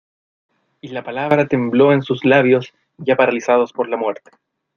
Y la palabra tembló en sus labios ya paralizados por la muerte.